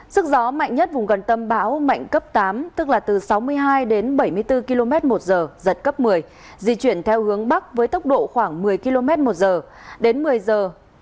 sức gió mạnh nhất vùng gần tâm bão mạnh cấp tám tức là từ sáu mươi hai đến bảy mươi bốn km một giờ giật cấp một mươi di chuyển theo hướng bắc với tốc độ khoảng một mươi km một giờ đến một mươi giờ